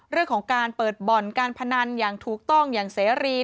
เรื่องของการเปิดบ่อนการพนันอย่างถูกต้องอย่างเสรี